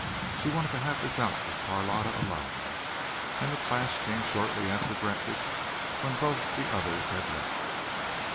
She wanted to have this out with Carlotta alone, and the clash came shortly after breakfast when both the others had left.